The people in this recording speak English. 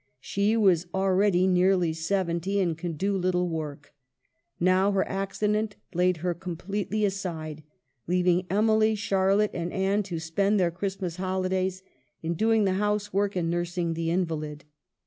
She was already nearly seventy, and could do little work ; now her accident laid her completely aside, leav ing Emily, Charlotte, and Anne to spend their Christmas holidays in doing the housework and nursing the invalid.